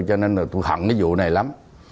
cho nên là tôi hận cái vụ này lắm